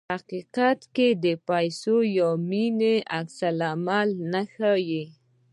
په حقیقت کې پیسو یا مینې ته عکس العمل نه ښيي.